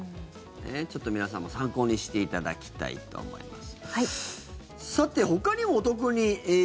ちょっと皆さんも参考にしていただきたいと思います。